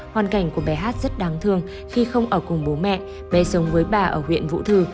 hoàn cảnh của bé hát rất đáng thương khi không ở cùng bố mẹ bé sống với bà ở huyện vũ thư